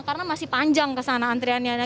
karena masih panjang kesana antriannya